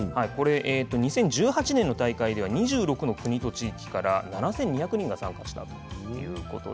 ２０１８年の大会では２６の国と地域から７２００人が参加しました。